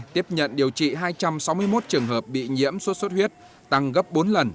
tiếp nhận điều trị hai trăm sáu mươi một trường hợp bị nhiễm sốt xuất huyết tăng gấp bốn lần